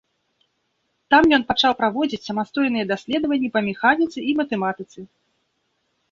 Там ён пачаў праводзіць самастойныя даследаванні па механіцы і матэматыцы.